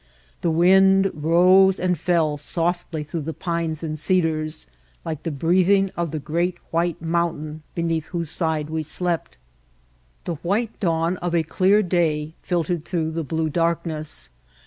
The wind rose and fell softly through the pines and cedars, like the breathing of the great white mountain beneath whose side we slept. The white dawn of a clear day filtered through the blue darkness.